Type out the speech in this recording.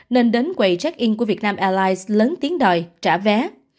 nên đến quầy check in của vietnam airlines lớn tiếng đòi trả vé